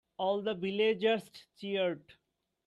All the villagers cheered.